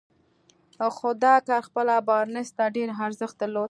خو دا کار خپله بارنس ته ډېر ارزښت درلود.